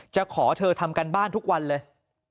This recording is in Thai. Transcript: ขอเธอทำการบ้านทุกวันเลย